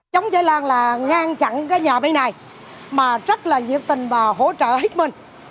chống cháy lan là ngăn chặn cái nhà bên này mà rất là nhiệt tình và hỗ trợ hết mình